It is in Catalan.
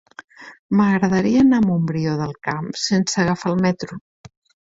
M'agradaria anar a Montbrió del Camp sense agafar el metro.